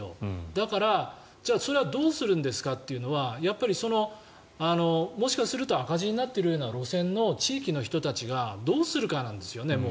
だから、じゃあそれはどうするんですかというのはやっぱりもしかすると赤字になっているような路線の地域の人たちがどうするかなんですよね。